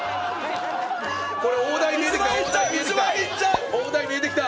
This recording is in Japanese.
これ大台見えてきた！